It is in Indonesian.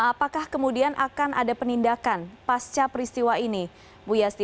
apakah kemudian akan ada penindakan pasca peristiwa ini bu yasti